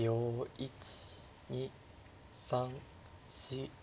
１２３４。